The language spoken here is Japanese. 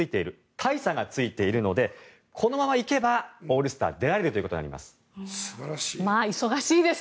大差がついているのでこのまま行けばオールスター出られるということになります。